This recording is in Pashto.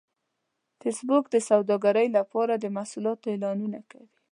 فېسبوک د سوداګرۍ لپاره د محصولاتو اعلانونه کوي